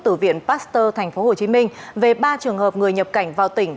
từ viện pasteur tp hcm về ba trường hợp người nhập cảnh vào tỉnh